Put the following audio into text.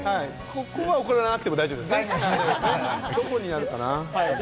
ここは送らなくても大丈夫ですね。